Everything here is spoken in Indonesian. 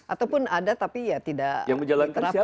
ataupun ada tapi ya tidak diterapkan